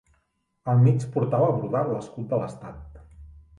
Al mig portava brodat l'escut de l'estat.